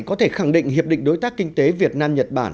có thể khẳng định hiệp định đối tác kinh tế việt nam nhật bản